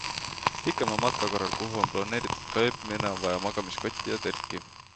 Pikema matka korral, kuhu on planeeritud ka ööbimine, on vaja magamiskotti ja telki.